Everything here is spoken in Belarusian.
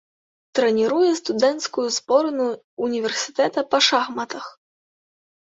Трэніруе студэнцкую зборную ўніверсітэта па шахматах.